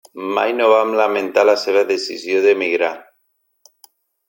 Mai no van lamentar la seva decisió d'emigrar.